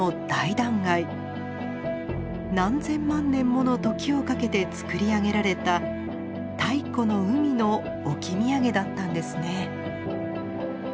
何千万年もの時をかけてつくり上げられた太古の海の置き土産だったんですね。